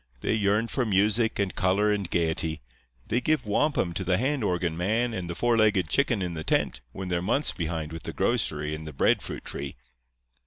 They yearn for music and color and gaiety. They give wampum to the hand organ man and the four legged chicken in the tent when they're months behind with the grocery and the bread fruit tree.